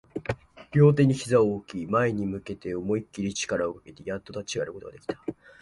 両手を膝に置き、前に向けて思いっきり力をかけて、やっと立ち上がることができた